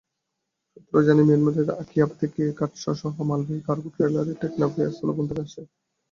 সূত্র জানায়, মিয়ানমারের আকিয়াব থেকে কাঠসহ মালবাহী কার্গো ট্রলার টেকনাফ স্থলবন্দরে আসে।